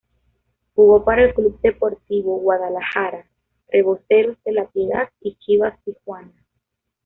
Jugó para el Club Deportivo Guadalajara, Reboceros de La Piedad y Chivas Tijuana.